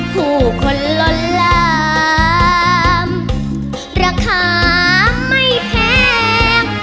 ผู้คนล้นหลามราคาไม่แพง